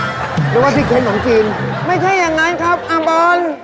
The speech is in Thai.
หรือว่าซีเคนขนมจีนไม่ใช่อย่างนั้นครับอาบอล